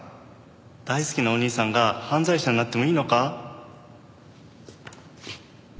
大好きなお兄さんが犯罪者になってもいいのか？